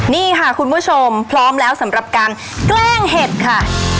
นี่ค่ะคุณผู้ชมพร้อมแล้วสำหรับการแกล้งเห็ดค่ะ